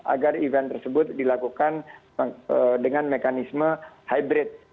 agar event tersebut dilakukan dengan mekanisme hybrid